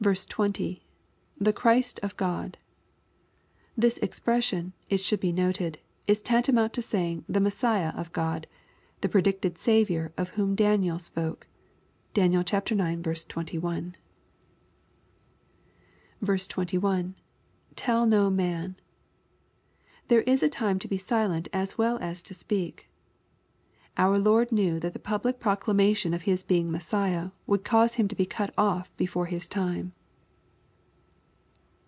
— [The Christ of Chd^l This expression, it should be noted, is tantamount to saying the Messiah of God, the predicted Saviour of whom Daniel spoke. (Dan. ix. 21.) 21. — [IW no man.] There is a time to be silent as well as to speak. Our Lord knew that the public proclamation of His being Messiah, would cause Him to be cut off before His time.